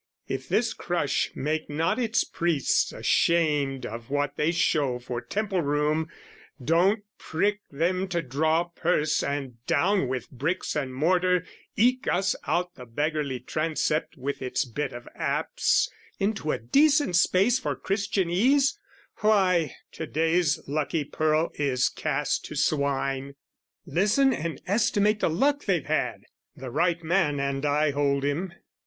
If this crush Make not its priests ashamed of what they show For temple room, don't prick them to draw purse And down with bricks and mortar, eke us out The beggarly transept with its bit of apse Into a decent space for Christian ease, Why, to day's lucky pearl is cast to swine. Listen and estimate the luck they've had! (The right man, and I hold him.)